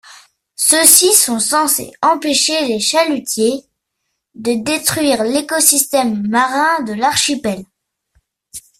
Ceux-ci sont censés empêcher les chalutiers de détruire l'écosystème marin de l'archipel.